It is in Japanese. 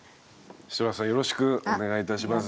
シトラスさんよろしくお願いいたします。